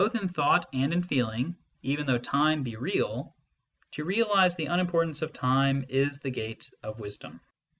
aa MYSTICISM AND LOGIC thought and in feeling, even though time be real, to realise the unimportance of time is the gate of wisdom.